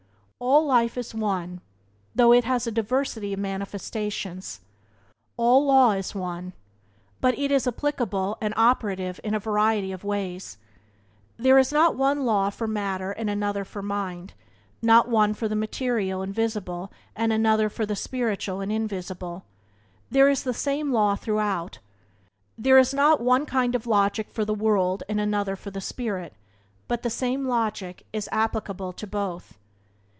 All life is one, though it has a diversity of manifestations; all law is one, but it is applicable and operative in a variety of ways. There is not one law for matter and another for mind, not one for the material and visible and another for the spiritual and invisible; there is the same law throughout. There is not one kind of logic for the world and another for the spirit, but the same logic is applicable to both.